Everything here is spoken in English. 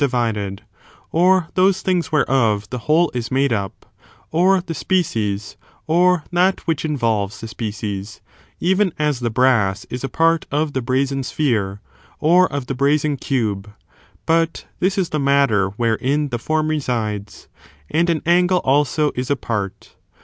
divided, or those things whereof the whole is made up; or the species, or that which involves the species, even as the brass is a part of the brazen sphere, or of the brazen cube, (but this is the matter wherein the form resides,) and an angle also is a part.